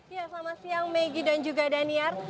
ya selamat siang maggie dan juga daniar